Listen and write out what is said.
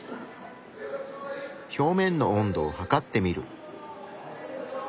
表面の温度を測ってみる。